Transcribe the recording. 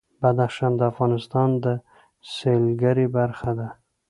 بدخشان د افغانستان د سیلګرۍ برخه ده.